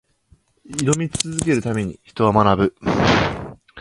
挑み続けるために、人は学ぶ。